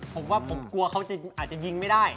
ผมว่าเค้ากลัวอาจจะยิงไม่ได้